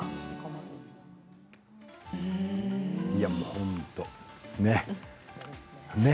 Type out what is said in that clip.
本当、ね、ね。